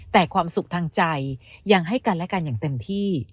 แต่ความสุขทางใจยังให้กันและกันอย่างเต็มที่